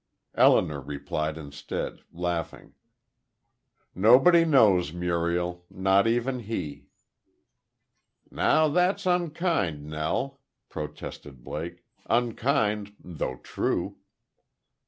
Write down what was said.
Elinor replied instead, laughing. "Nobody knows, Muriel. Not even he." "Now that's unkind, Nell," protested Blake; "unkind though true."